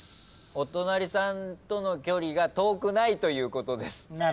お隣さんとの距離が遠くないということです。